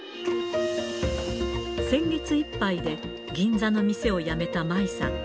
先月いっぱいで銀座の店を辞めた舞さん。